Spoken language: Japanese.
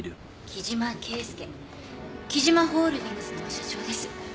貴島ホールディングスの社長です。